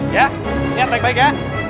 ya yang baik baik ya